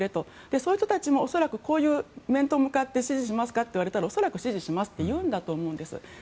そういう人たちも恐らく面と向かって支持しますかと聞かれたら恐らく支持しますって言うんだと思うんです。